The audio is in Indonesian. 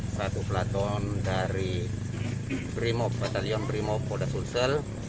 satu pelaton dari bremob batalion bremob kota sulsel